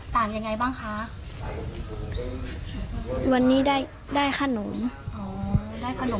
ยังไงบ้างคะวันนี้ได้ได้ขนมอ๋อได้ขนม